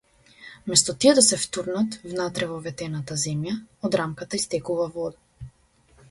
Место тие да се втурнат внатре во ветената земја, од рамката истекува вода.